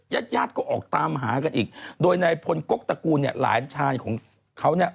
ญาติก็ออกตามหากันอีกโดยในผลกกตกูลหลายชาญของเขาเนี่ย